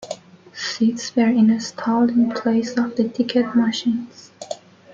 Seats were installed in place of the ticket machines.